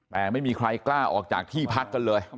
แต่ไม่มีใครกล้าออกจากที่พักกันเลย